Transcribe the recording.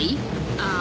ああ！？